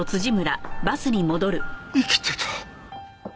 生きてた。